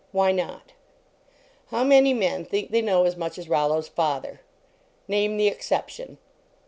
Whv not ? How many men think they know as much as Rollo s father ? Name the exception.